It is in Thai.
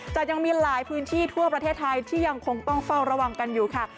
แต่ยังมีหลายพื้นที่ทั่วประเทศไทยที่ยังคงต้องเฝ้าระวังกันอยู่ค่ะ